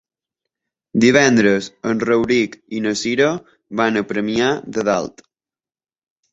Divendres en Rauric i na Cira van a Premià de Dalt.